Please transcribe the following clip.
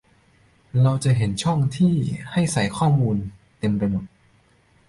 เราจะเห็นช่องที่ให้ใส่ข้อมูลเต็มไปหมด